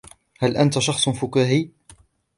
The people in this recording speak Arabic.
هل أنت شخصٌ فكاهي؟